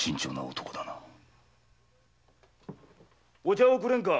お茶をくれんか。